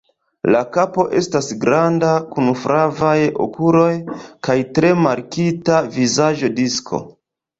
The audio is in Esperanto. La kapo estas granda, kun flavaj okuloj kaj tre markita vizaĝo disko.